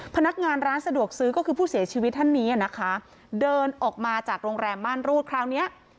พนักงานร้านสะดวกซื้อก็คือผู้เสียชีวิตท่านนี้นะคะเดินออกมาจากโรงแรมม่านรูดคราวเนี้ย